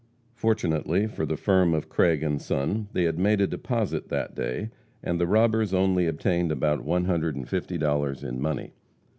Fortunately for the firm of Craig & Son, they had made a deposit that day and the robbers only obtained about one hundred and fifty dollars in money.